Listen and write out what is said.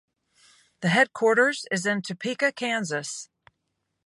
The headquarters is in Topeka, Kansas.